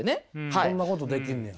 ほうそんなことできんねや。